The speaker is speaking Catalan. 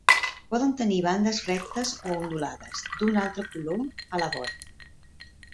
Poden tenir bandes rectes o ondulades d'un altre color a la vora.